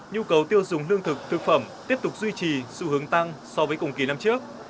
nhu cầu tiêu dùng lương thực thực phẩm tiếp tục duy trì xu hướng tăng so với cùng kỳ năm trước